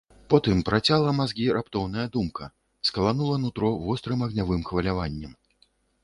Потым працяла мазгі раптоўная думка, скаланула нутро вострым агнявым хваляваннем.